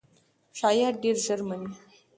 شایعات ډېر ژر مني.